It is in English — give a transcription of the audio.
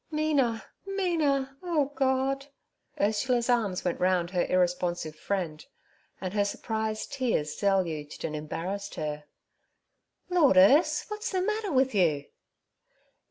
'Mina, Mina! Oh, God!' Ursula's arms went round her irresponsive friend, and her surprised tears deluged and embarrassed her. 'Lord, Urs, what's the matter with you?'